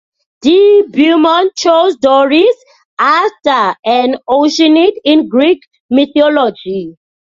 De Beaumont chose Doris, after an Oceanid in Greek mythology.